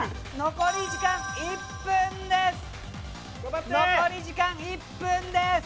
残り時間１分です！